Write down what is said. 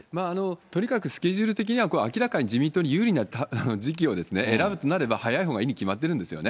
とにかくスケジュール的には、明らかに自民党に有利な時期を選ぶとなれば、早いほうがいいに決まってるんですよね。